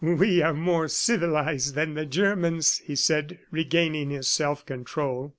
"We are more civilized than the Germans," he said, regaining his self control.